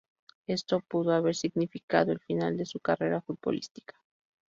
Esto pudo haber significado el final de su carrera futbolística.